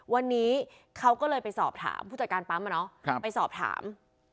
วันนี้เขาก็เลยไปสอบถามผู้จัดการปั๊มไปสอบถาม